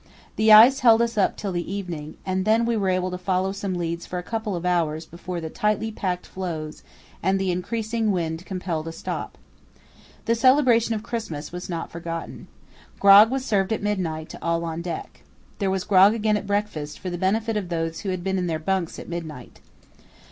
The ice held us up till the evening, and then we were able to follow some leads for a couple of hours before the tightly packed floes and the increasing wind compelled a stop. The celebration of Christmas was not forgotten. Grog was served at midnight to all on deck. There was grog again at breakfast, for the benefit of those who had been in their bunks at midnight.